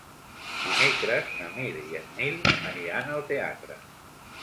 Dimecres na Mar i en Nil aniran al teatre.